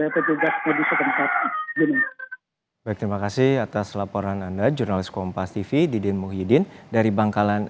baik juno dan saudara